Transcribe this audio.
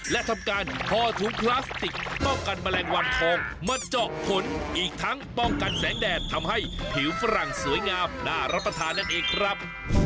และทำการคอถุงพลาสติกป้องกันแมลงวันทองมาเจาะผลอีกทั้งป้องกันแสงแดดทำให้ผิวฝรั่งสวยงามน่ารับประทานนั่นเองครับ